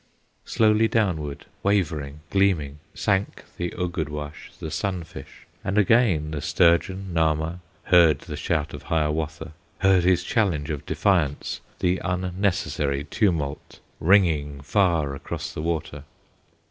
Slowly downward, wavering, gleaming, Sank the Ugudwash, the sun fish, And again the sturgeon, Nahma, Heard the shout of Hiawatha, Heard his challenge of defiance, The unnecessary tumult, Ringing far across the water.